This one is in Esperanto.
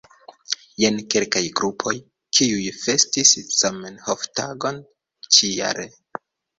Jen kelkaj grupoj, kiuj festis Zamenhof-tagon ĉi-jare.